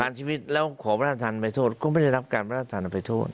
ประหารชีวิตแล้วขอพระธรรมไปโทษก็ไม่ได้รับการพระธรรมไปโทษ